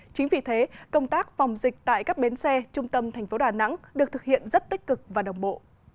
chính vì thế công tác phòng dịch tại các bến xe trung tâm thành phố đà nẵng được thực hiện rất tích cực và đồng bộ